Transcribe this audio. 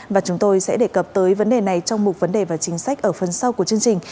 và chúng tôi sẽ đề cập tới vấn đề này trong một vấn đề và chính sách ở phần sau của chương trình